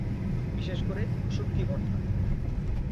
বিশেষ করে, শুঁটকি ভর্তা।